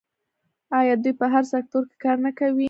آیا دوی په هر سکتور کې کار نه کوي؟